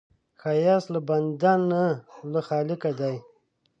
ښایست له بنده نه، له خالقه دی